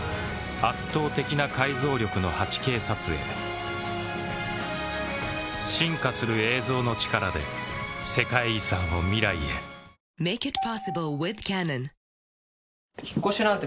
圧倒的な解像力の８Ｋ撮影進化する映像の力で世界遺産を未来へ引っ越しなんて